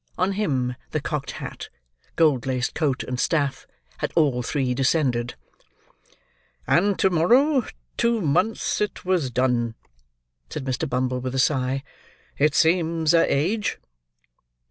On him the cocked hat, gold laced coat, and staff, had all three descended. "And to morrow two months it was done!" said Mr. Bumble, with a sigh. "It seems a age."